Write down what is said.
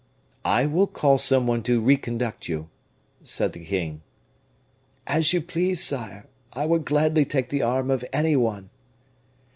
"I will call some one to reconduct you," said the king. "As you please, sire; I would gladly take the arm of any one."